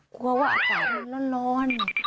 กลัวว่าอากาศมันร้อน